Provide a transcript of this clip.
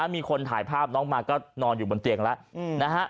มีคนถ่ายภาพน้องมาก็นอนอยู่บนเตียงแล้วนะฮะ